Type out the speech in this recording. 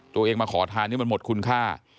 ตัวเองมาขอทานให้มันหมดคุณค่า